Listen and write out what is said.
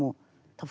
多分。